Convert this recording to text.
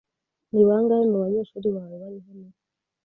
Ni bangahe mu banyeshuri bawe bari hano?